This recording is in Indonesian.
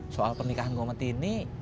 soal pernikahan gue sama tini